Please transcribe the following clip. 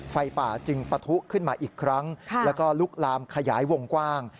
ไฟป่าจึงปะทุขึ้นมาอีกครั้งแล้วก็ลุกลามขยายวงกว้าง